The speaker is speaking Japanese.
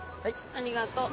ありがとう。